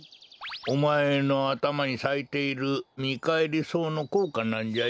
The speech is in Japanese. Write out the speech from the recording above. おまえのあたまにさいているミカエリソウのこうかなんじゃよ。